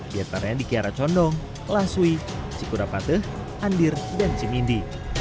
biar tanya di kiara condong lasui cikuda pateh andir dan cimindi